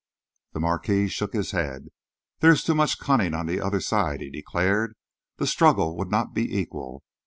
The Marquis shook his head. "There is too much cunning on the other side," he declared. "The struggle would not be equal.